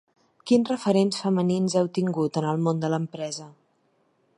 Quins referents femenins heu tingut en el món de l’empresa?